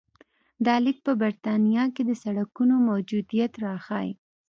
دا لیک په برېټانیا کې د سړکونو موجودیت راښيي